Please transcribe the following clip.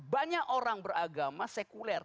banyak orang beragama sekuler